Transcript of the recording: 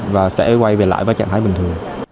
và sẽ quay về lại trạng thái bình thường